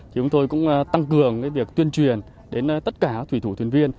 thì chúng tôi cũng tăng cường việc tuyên truyền đến tất cả các thủy thủ thuyền viên